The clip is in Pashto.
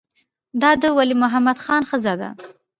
دا د ولی محمد خان ښځه ده.